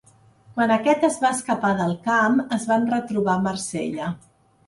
Quan aquest es va escapar del camp, es van retrobar a Marsella.